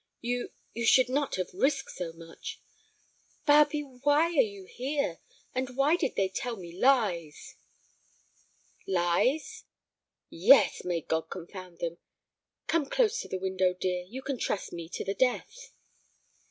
You—you should not have risked so much." "Barbe, why are you here, and why did they tell me lies?" "Lies?" "Yes, may God confound them! Come close to the window, dear; you can trust me to the death."